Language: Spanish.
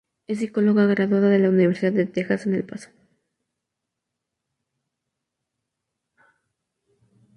Es psicóloga graduada de la Universidad de Texas en El Paso.